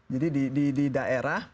jadi di daerah